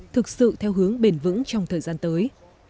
thực sự theo hướng bền vững trong thời gian tới